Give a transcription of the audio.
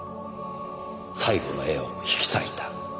「最後の絵を引き裂いた」